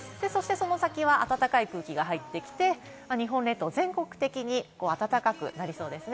その先は暖かい空気が入ってきて、日本列島、全国的に暖かくなりそうです。